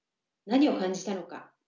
何を感じたのか？